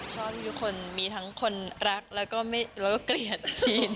ที่ทุกคนมีทั้งคนรักแล้วก็เกลียดซีน